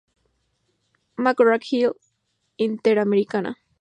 Mcgraw-Hill Interamericana.-